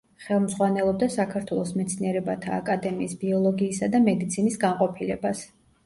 ხელმძღვანელობდა საქართველოს მეცნიერებათა აკადემიის ბიოლოგიისა და მედიცინის განყოფილებას.